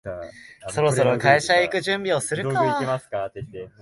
そろそろ会社へ行く準備をするか